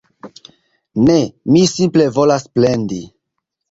Ne, mi simple volas plendi